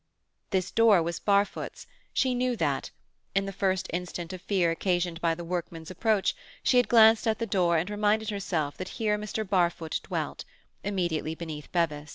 This door was Barfoot's. She knew that; in the first instant of fear occasioned by the workman's approach, she had glanced at the door and reminded herself that here Mr. Barfoot dwelt, immediately beneath Bevis.